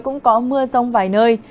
cũng có mưa rông vài nơi